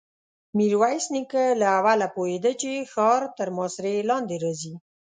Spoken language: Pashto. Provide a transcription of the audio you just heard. ميرويس نيکه له اوله پوهېده چې ښار تر محاصرې لاندې راځي.